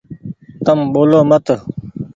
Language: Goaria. تم ٻولو مت ۔